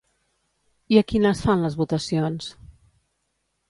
I a quina es fan les votacions?